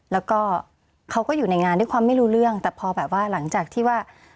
แล้วก็เขาก็อยู่ในงานด้วยความไม่รู้เรื่องแต่พอแบบว่าหลังจากที่ว่า